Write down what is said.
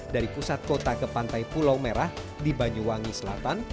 dari pusat kota ke pantai pulau merah di banyuwangi selatan